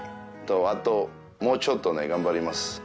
あともうちょっとね、頑張ります。